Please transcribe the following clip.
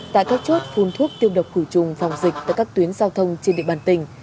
tại các chốt phun thuốc tiêu độc khử trùng phòng dịch tại các tuyến giao thông trên địa bàn tỉnh